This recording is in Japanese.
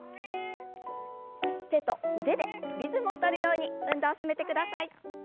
手と腕でリズムを取るように運動を進めてください。